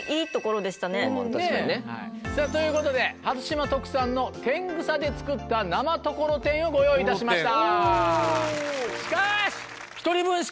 まぁ確かにね。ということで初島特産のテングサで作った生ところてんをご用意いたしました。